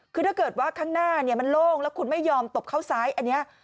คือถ้าเกิดว่าข้างหน้ามันโล่งแล้วคุณไม่ยอมตบเข้าซ้ายอันนี้